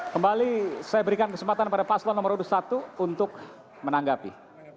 kembali saya berikan kesempatan pada paslo nomor dua puluh satu untuk menanggapi